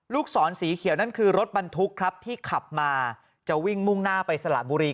ศรสีเขียวนั่นคือรถบรรทุกครับที่ขับมาจะวิ่งมุ่งหน้าไปสละบุรี